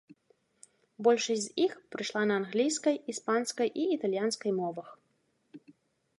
Большасць з іх прыйшла на англійскай, іспанскай і італьянскай мовах.